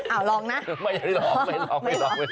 อ้าวลองนะไม่ลอง